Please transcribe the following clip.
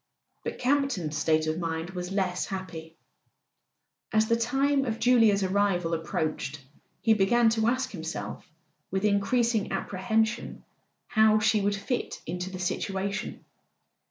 But Campton's state of mind was less happy. As the time of Julia's arrival approached he began to ask himself with increasing apprehension how she would fit into the situation.